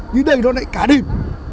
như đây đó này cả đêm